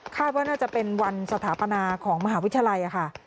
ว่าน่าจะเป็นวันสถาปนาของมหาวิทยาลัยค่ะ